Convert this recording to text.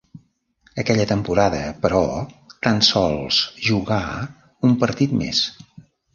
Aquella temporada però, tan sols jugà un partit més.